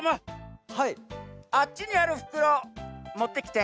あっちにあるふくろもってきて。